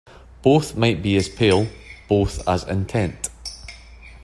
Both might be as pale, both as intent.